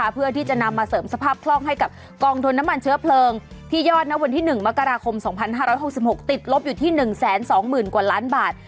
เพื่อที่จะนำมาเสริมสภาพคล่องให้กับกองทุนน้ำมันเชื้อเพลิงที่ยอดณวันที่๑มกราคม๒๕๖๖ติดลบอยู่ที่๑๒๐๐๐กว่าล้านบาท